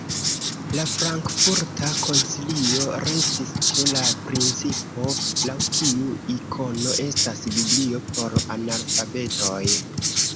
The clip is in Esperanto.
La Frankfurta koncilio restis ĉe la principo, laŭ kiu ikono estas "biblio por analfabetoj".